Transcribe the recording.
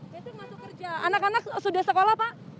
berarti masuk kerja anak anak sudah sekolah pak